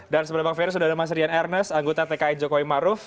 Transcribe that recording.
dan sebelah bang ferry sudah ada mas rian ernest anggota tki jokowi maruf